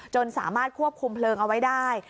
สามารถควบคุมเพลิงเอาไว้ได้